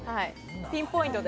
ピンポイントで。